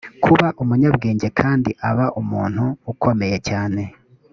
kuba umunyabwenge kandi aba umuntu ukomeye cyane